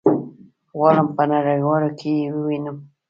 غواړم په نړيوالو کي يي ووينم